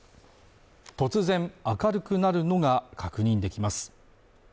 突然明るくなるのが確認できます